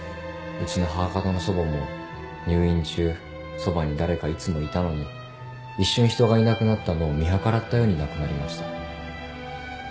うちの母方の祖母も入院中そばに誰かいつもいたのに一瞬人がいなくなったのを見計らったように亡くなりました。